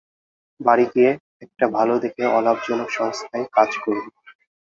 বাড়ি গিয়ে, একটা ভালো দেখে অলাভজনক সংস্থায় কাজ করবো।